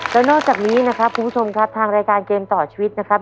แล้วนอกจากนี้นะครับคุณผู้ชมครับทางรายการเกมต่อชีวิตนะครับ